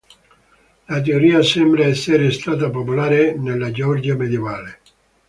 La teoria sembra essere stata popolare nella Georgia medievale.